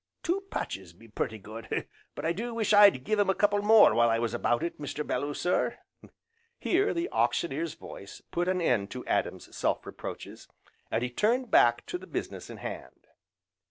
Two patches be pretty good, but I do wish as I'd give him a couple more, while I was about it, Mr. Belloo sir." Here, the Auctioneer's voice put an end to Adam's self reproaches, and he turned back to the business in hand.